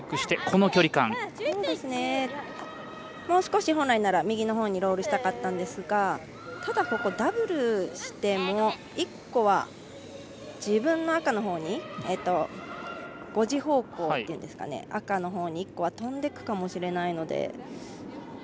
もう少し本来なら右のほうにロールしたかったんですがただ、ここダブルしても１個は、自分の赤のほうに５時方向っていうんですか赤のほうに１個は飛んでいくかもしれないので。